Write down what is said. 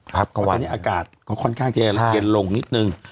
เพราะตอนนี้อากาศก็ค่อนข้างจะเย็นลงนิดนึง